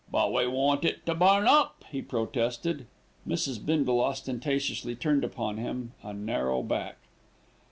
"But we want it to burn up," he protested. Mrs. Bindle ostentatiously turned upon him a narrow back.